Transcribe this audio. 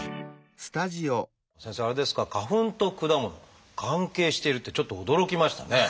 先生あれですか花粉と果物関係してるってちょっと驚きましたね。